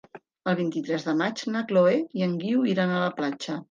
El vint-i-tres de maig na Chloé i en Guiu iran a la platja.